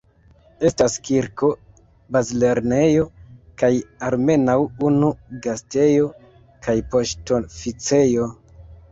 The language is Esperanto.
Estas kirko, bazlernejo, kaj almenaŭ unu gastejo kaj poŝtoficejo.